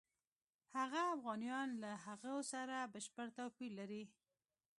هغه اوغانیان له هغو سره بشپړ توپیر لري.